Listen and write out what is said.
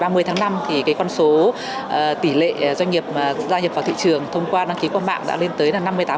từ một mươi tháng năm thì con số tỷ lệ doanh nghiệp gia nhập vào thị trường thông qua đăng ký qua mạng đã lên tới năm mươi tám